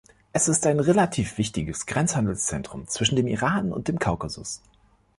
Es ist ein relativ wichtiges Grenzhandelszentrum zwischen dem Iran und dem Kaukasus.